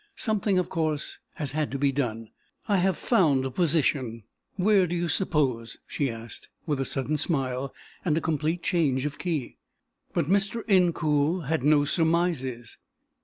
Something, of course, has had to be done. I have found a position. Where do you suppose?" she asked, with a sudden smile and a complete change of key. But Mr. Incoul had no surmises.